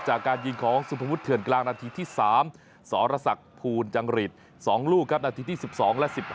จากการยิงของสุมพบุตรเถื่อนกลางนัดทีที่๓สรษคภูนย์จังหรีส๒ลูกนะครับนาทีที่๑๒และ๑๕